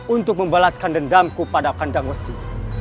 untuk membalaskan dendamku pada kandang besi